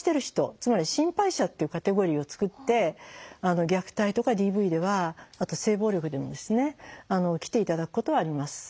つまり「心配者」っていうカテゴリーを作って虐待とかＤＶではあと性暴力でもですね来て頂くことはあります。